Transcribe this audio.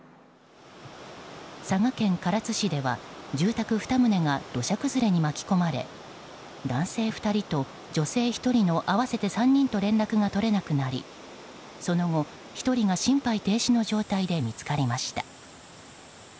佐賀県唐津市では住宅２棟が土砂崩れに巻き込まれ男性２人と女性１人の合わせて３人と連絡が取れなくなりその後、１人が心肺停止の状態で見つかりました。